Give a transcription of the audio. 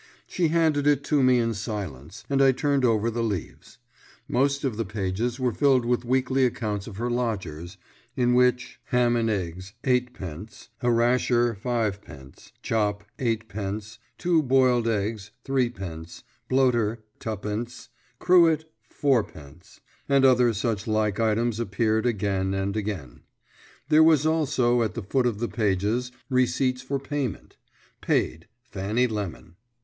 She handed it to me in silence, and I turned over the leaves. Most of the pages were filled with weekly accounts of her lodgers, in which "ham and eggs, 8_d_.;" "a rasher, 5_d_.;" "chop, 8_d_.;" "two boyled eggs, 3_d_.;" "bloater, 2_d_.;" "crewet, 4_d_.;" and other such like items appeared again and again. There was also, at the foot of pages, receipts for payment, "Paid, Fanny Lemon."